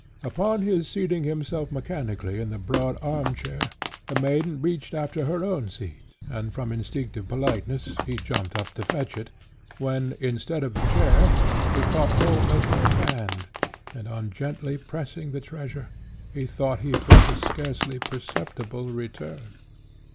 Upon his seating himself mechanically in the broad arm chair, the maiden reached after her own seat, and from instinctive politeness he jumped up to fetch it, when, instead of the chair, he caught hold of her hand, and, on gently pressing the treasure, he thought he felt a scarcely perceptible return.